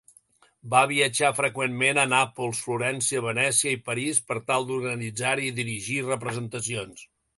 Va viatjar freqüentment a Nàpols, Florència, Venècia i París per tal d'organitzar-hi i dirigir representacions.